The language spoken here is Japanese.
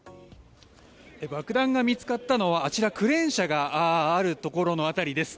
爆弾が見つかったのはあちら、クレーン車があるところの辺りです。